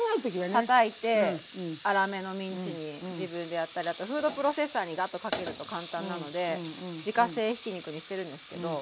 たたいて粗めのミンチに自分でやったりあとフードプロセッサーにガッとかけると簡単なので自家製ひき肉にしてるんですけど。